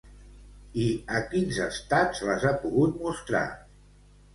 I a quins estats les ha pogut mostrar?